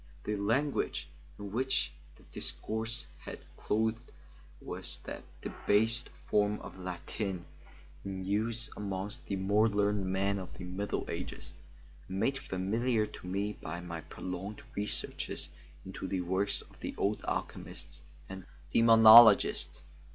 The language in which the discourse was clothed was that debased form of Latin in use amongst the more learned men of the Middle Ages, and made familiar to me by my prolonged researches into the works of the old alchemists and demonologists.